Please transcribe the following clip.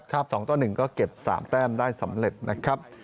๒ต่อ๑ก็เก็บ๓แต้มได้สำเร็จนะครับ